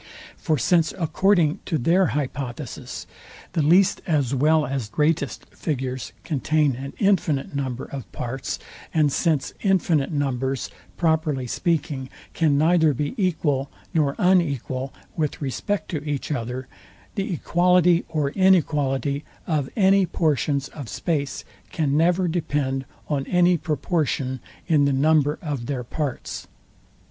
For since, according to their hypothesis, the least as well as greatest figures contain an infinite number of parts; and since infinite numbers, properly speaking, can neither be equal nor unequal with respect to each other; the equality or inequality of any portions of space can never depend on any proportion in the number of their parts.